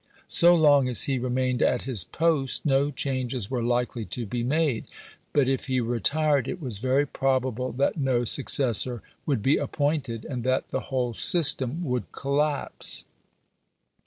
So long as he remained at his post, no changes were likely to be made; but if he retired, it was very probable that no successor would be appointed, and that the whole system would collapse.